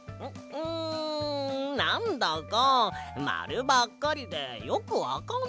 んなんだかまるばっかりでよくわかんないな。